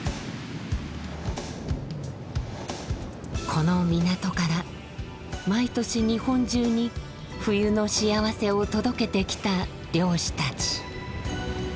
この港から毎年日本中に「冬のしあわせ」を届けてきた漁師たち。